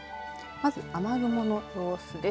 まず雨雲の様子です。